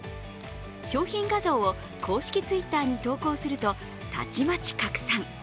商品画像を公式Ｔｗｉｔｔｅｒに投稿すると、たちまち拡散。